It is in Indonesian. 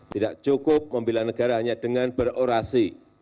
tidak cukup membela negara hanya dengan berorasi